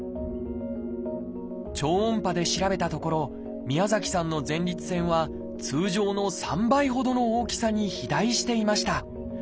超音波で調べたところ宮崎さんの前立腺は通常の３倍ほどの大きさに肥大していました。